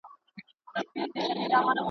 دغو ورېځو هم کتلو ..